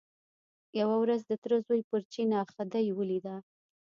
یوه ورځ د تره زوی پر چینه خدۍ ولیده.